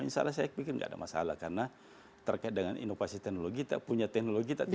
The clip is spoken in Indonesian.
insya allah saya pikir tidak ada masalah karena terkait dengan inovasi teknologi kita punya teknologi kita tidak